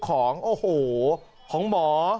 ของโอ้โหของหมอ